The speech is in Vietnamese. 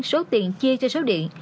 số tiền chia cho số điện